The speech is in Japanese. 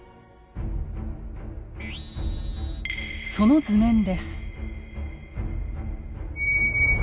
その図面です。